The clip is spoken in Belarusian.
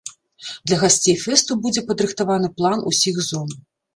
Для гасцей фэсту будзе падрыхтаваны план усіх зон.